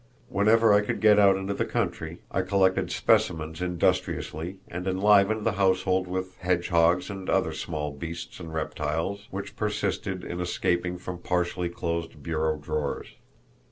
Whenever I could get out into the country I collected specimens industriously and enlivened the household with hedge hogs and other small beasts and reptiles which persisted in escaping from partially closed bureau drawers.